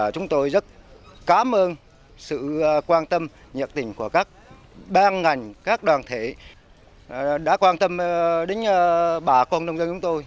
chúng tôi rất cảm ơn sự quan tâm nhiệt tình của các ban ngành các đoàn thể đã quan tâm đến bà con nông dân chúng tôi